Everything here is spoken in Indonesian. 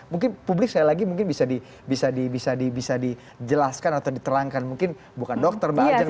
mungkin publik sekali lagi mungkin bisa dijelaskan atau diterangkan mungkin bukan dokter mbak ajeng